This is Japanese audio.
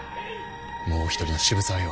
もう一人の渋沢よ。